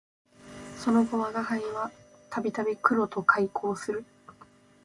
その後吾輩は度々黒と邂逅する